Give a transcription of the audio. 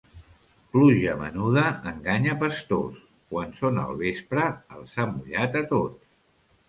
Pluja menuda enganya pastors; quan són al vespre els ha mullat a tots.